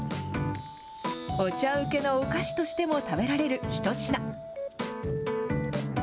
お茶うけのお菓子としても食べられる一品。